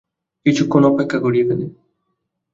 কিছুক্ষণ অপেক্ষা করি এখানে।